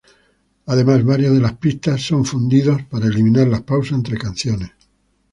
Además, varias de las pistas son fundidos para eliminar las pausas entre canciones.